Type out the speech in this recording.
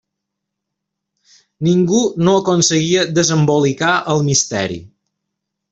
Ningú no aconseguia desembolicar el misteri.